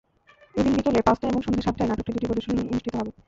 এদিন বিকেল পাঁচটা এবং সন্ধ্যা সাতটায় নাটকটির দুটি প্রদর্শনী অনুষ্ঠিত হবে।